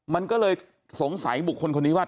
มันก็เลยสงสัยบุคคลคนนี้ว่า